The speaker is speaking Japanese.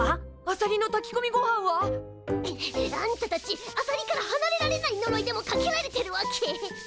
あさりのたきこみごはんは？あんたたちあさりからはなれられないのろいでもかけられてるわけ？